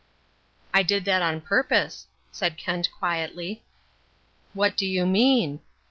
"I did that on purpose," said Kent quietly. "What do you mean?"